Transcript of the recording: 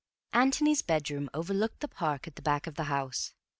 Antony's bedroom looked over the park at the back of the house.